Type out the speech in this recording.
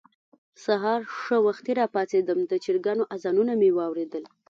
سهار ښه وختي راپاڅېدم، د چرګانو اذانونه مې واورېدل.